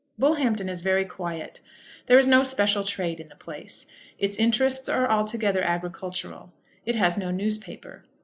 Bullhampton is very quiet. There is no special trade in the place. Its interests are altogether agricultural. It has no newspaper.